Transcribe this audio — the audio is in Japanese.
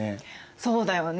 そうだよね。